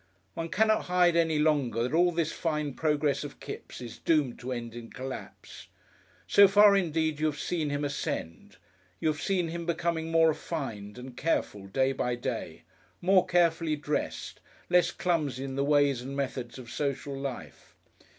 One cannot hide any longer that all this fine progress of Kipps is doomed to end in collapse. So far indeed you have seen him ascend. You have seen him becoming more refined and careful day by day, more carefully dressed, less clumsy in the ways and methods of social life.